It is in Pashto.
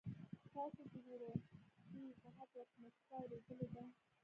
تاسو د زړه سوي په هکله کومه کیسه اورېدلې ده؟